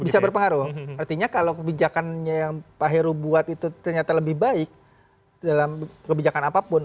bisa berpengaruh artinya kalau kebijakannya yang pak heru buat itu ternyata lebih baik dalam kebijakan apapun